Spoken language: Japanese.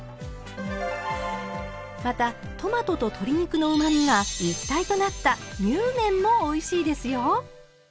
またトマトと鶏肉のうまみが一体となったにゅうめんもおいしいですよ。